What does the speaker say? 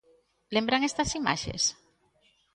Lembran estas imaxes?